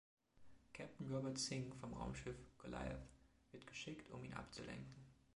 Captain Robert Singh vom Raumschiff „Goliath“ wird geschickt, um ihn abzulenken.